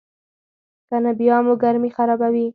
کنه بیا مو ګرمي خرابوي.